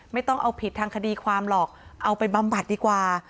ไม่ต้องเอาผิดทางคดีความหรอกเอาไปบำบัดดีกว่า